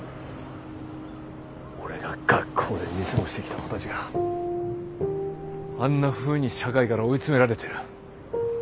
俺が学校で見過ごしてきた子たちがあんなふうに社会から追い詰められてる。